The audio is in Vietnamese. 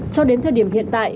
cho đến thời điểm hiện tại